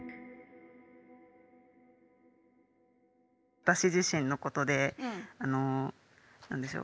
私自身のことであの何でしょう